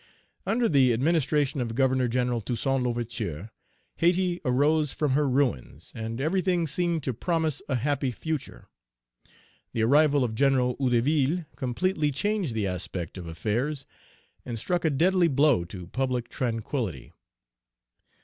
"Under the administration of Governor General Toussaint L'Ouverture, Hayti arose from her ruins, and everything seemed to promise a happy future. The arrival of General Hedouville completely changed the aspect of affairs, and struck a deadly blow to public tranquillity.